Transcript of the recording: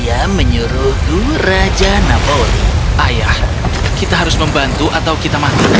ayah kita harus membantu atau kita mati